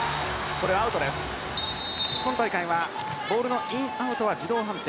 今大会はボールのイン・アウトは自動判定。